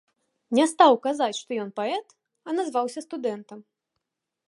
Не стаў казаць, што ён паэт, а назваўся студэнтам.